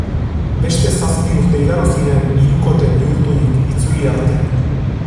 Beste zazpi urte igaro ziren hirukote bihurturik itzuli arte.